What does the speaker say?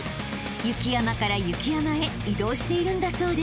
［雪山から雪山へ移動しているんだそうです］